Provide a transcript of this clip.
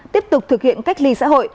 tiếp tục thực hiện cách ly xã hội